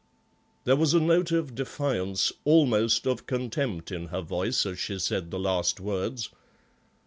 There was a note of defiance, almost of contempt, in her voice as she said the last words.